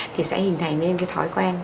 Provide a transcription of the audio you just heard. thì sẽ hình thành nên cái thói quen